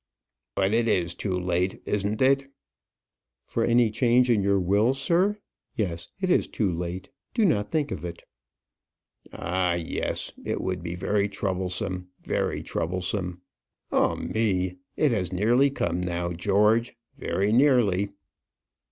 "But it is too late, isn't it?" "For any change in your will, sir? Yes, it is too late. Do not think of it." "Ah, yes; it would be very troublesome very troublesome. Oh, me! It has nearly come now, George; very nearly."